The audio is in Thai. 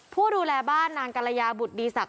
ผู้ดูแลบ้านนางกรยาบุตรดีศักด